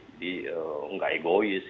jadi tidak egois